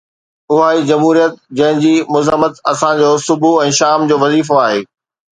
اها ئي جمهوريت جنهن جي مذمت اسان جو صبح ۽ شام جو وظيفو آهي.